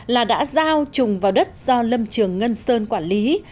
là đã giao trùng vào đất do lâm trường ngân sơn quản lý